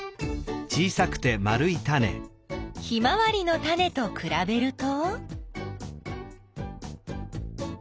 ヒマワリのタネとくらべると？